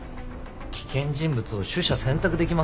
危険人物を取捨選択できますからね。